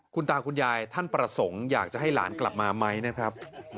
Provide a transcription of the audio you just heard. คุณตาคุณยายท่านประสงค์อยากจะให้หลานกลับมาไหมนะครับ